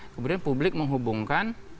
kemudian publik menghubungkan